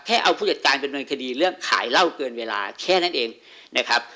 เอาผู้จัดการดำเนินคดีเรื่องขายเหล้าเกินเวลาแค่นั้นเองนะครับ